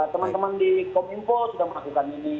teman teman di kominfo sudah melakukan ini